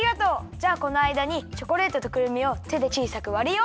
じゃあこのあいだにチョコレートとくるみをてでちいさくわるよ！